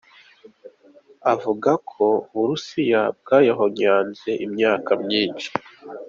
Avuga ko Uburusiya "bwayahonyanze imyaka myinshi".